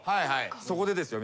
そこでですよ